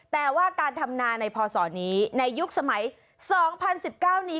แต่ว่าการทำนาในพศนี้ในยุคสมัย๒๐๑๙นี้